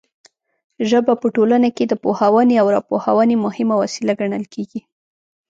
ژبه په ټولنه کې د پوهونې او راپوهونې مهمه وسیله ګڼل کیږي.